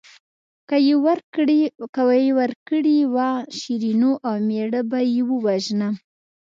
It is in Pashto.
که یې ورکړې وه شیرینو او مېړه به یې ووژنم.